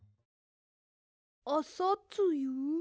あさつゆ？